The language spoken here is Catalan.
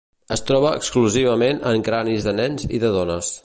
Es troba exclusivament en cranis de nens i de dones.